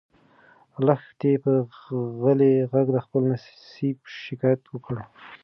لښتې په غلي غږ د خپل نصیب شکایت وکړ.